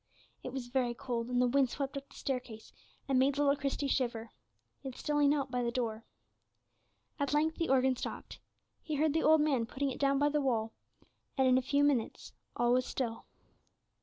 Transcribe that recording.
It was very cold, and the wind swept up the staircase, and made little Christie shiver. Yet still he knelt by the door. At length the organ stopped; he heard the old man putting it down by the wall, and in a few minutes all was still.